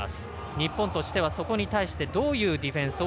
日本としてはそこに対してどういうディフェンスを